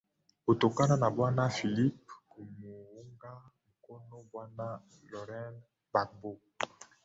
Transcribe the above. kutokana na bwana felipe kumuunga mkono bwana lauren bagbo